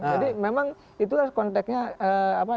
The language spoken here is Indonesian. jadi memang itu konteksnya